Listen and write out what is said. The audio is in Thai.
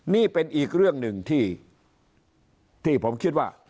นี่เป็นอีกเรื่องหนึ่งที่ผมคิดว่า